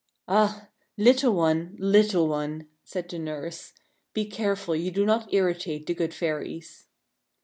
" Ah ! little one, little one," said the nurse, " be careful you do not irritate the good fairies."